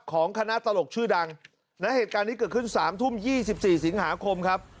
ของคณะตลกชื่อดังนะเหตุการณ์นี้เกิดขึ้น๓ทุ่ม๒๔สิงหาคมครับ